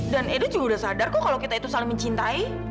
dan edo juga sudah sadar kok kalau kita itu saling mencintai